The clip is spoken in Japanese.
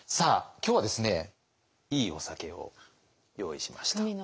今日はですねいいお酒を用意しました。